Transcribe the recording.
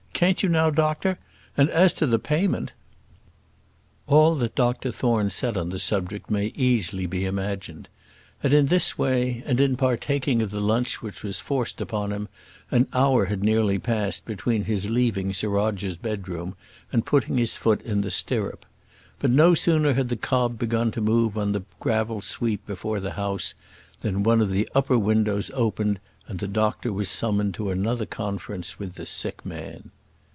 can't you now, doctor? And as to the payment " All that Dr Thorne said on the subject may easily be imagined. And in this way, and in partaking of the lunch which was forced upon him, an hour had nearly passed between his leaving Sir Roger's bedroom and putting his foot in the stirrup. But no sooner had the cob begun to move on the gravel sweep before the house, than one of the upper windows opened, and the doctor was summoned to another conference with the sick man.